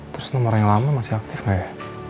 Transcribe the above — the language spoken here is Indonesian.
terus nomornya yang lama masih aktif gak ya